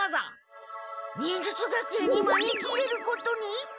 忍術学園にまねき入れることに？